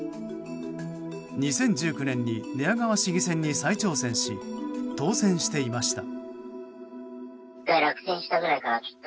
２０１９年に寝屋川市議選に再挑戦し、当選していました。